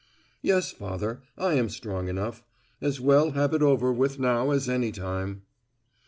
"Yes, Father; I am strong enough. As well have it over with now as any time."